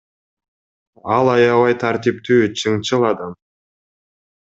Ал аябай тартиптүү, чынчыл адам.